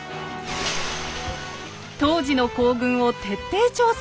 当時の行軍を徹底調査。